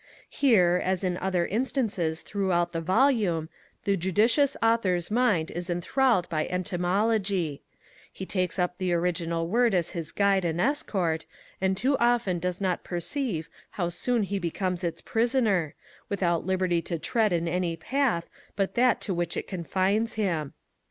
Here, as in other instances throughout the volume, the judicious Author's mind is enthralled by Etymology; he takes up the original word as his guide and escort, and too often does not perceive how soon he becomes its prisoner, without liberty to tread in any path but that to which it confines him.